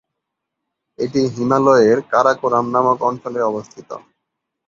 এটি হিমালয়ের কারাকোরাম নামক অঞ্চলে অবস্থিত।